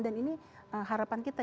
dan ini harapan kita